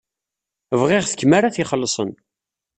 Bɣiɣ d kemm ara t-ixellṣen.